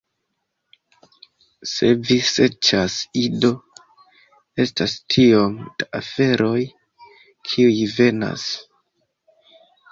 Se vi serĉas Ido, estas tiom da aferoj, kiuj venas